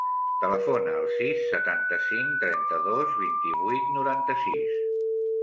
Telefona al sis, setanta-cinc, trenta-dos, vint-i-vuit, noranta-sis.